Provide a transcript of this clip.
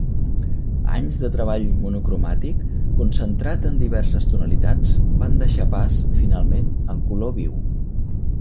Anys de treball monocromàtic concentrat en diverses tonalitats van deixar pas finalment al color viu.